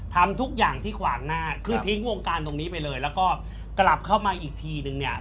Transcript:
ทำทุกอย่างที่ขวางหน้าคือทิ้งวงการตรงนี้ไปเลยแล้วก็กลับเข้ามาอีกทีนึงเนี่ย